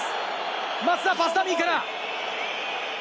パスダミーから。